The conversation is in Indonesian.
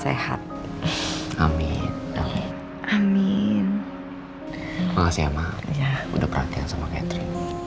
sehat amin amin amin makasih ya mbak udah perhatian sama catherine